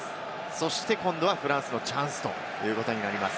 そして、フランスのチャンスということになります。